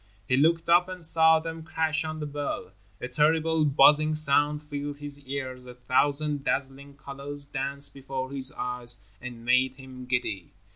He looked up and saw them crash on the bell. A terrible, buzzing sound filled his ears, a thousand dazzling colors danced before his eyes and made him giddy.